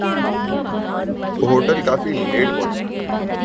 وہ ہوٹل کافی لیٹ پہنچی